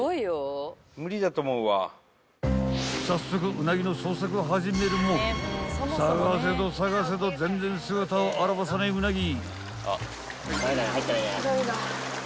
［早速ウナギの捜索を始めるも探せど探せど全然姿を現さないウナギ］